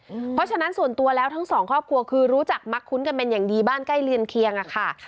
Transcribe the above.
เพราะฉะนั้นส่วนตัวแล้วทั้งสองครอบครัวคือรู้จักมักคุ้นกันเป็นอย่างดีบ้านใกล้เรือนเคียงอะค่ะ